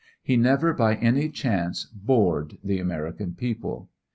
He never by any chance bored the American people.